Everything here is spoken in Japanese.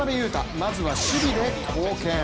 まずは、守備で貢献。